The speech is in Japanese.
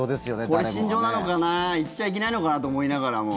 これ、心情なのかな言っちゃいけないのかなと思いながらも。